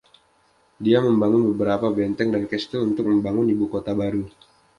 Dia membangun beberapa benteng dan kastel untuk membangun ibu kota baru.